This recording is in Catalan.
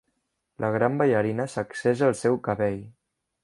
La gran ballarina sacseja el seu cabell